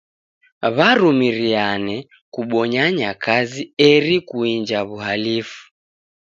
W'arumiriane kubonyanya kazi eri kuinja w'uhalifu.